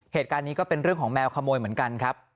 เหตุการณ์นี้ก็เป็นเรื่องของแมวขโมยเหมือนกันครับ